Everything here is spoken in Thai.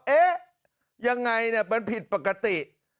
เอ๊ะยังไงเนี่ยมันผิดปกติ